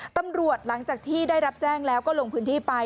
หลังจากที่ได้รับแจ้งแล้วก็ลงพื้นที่ไป